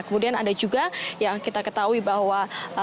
kemudian ada juga yang kita ketahui bahwa